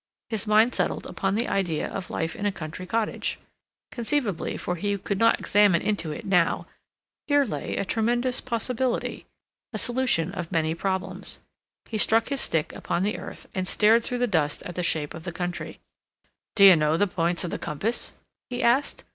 His mind settled upon the idea of life in a country cottage. Conceivably, for he could not examine into it now, here lay a tremendous possibility; a solution of many problems. He struck his stick upon the earth, and stared through the dusk at the shape of the country. "D'you know the points of the compass?" he asked.